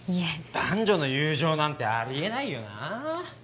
男女の友情なんてありえないよな